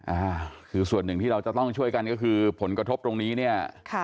อ่าคือส่วนหนึ่งที่เราจะต้องช่วยกันก็คือผลกระทบตรงนี้เนี่ยค่ะ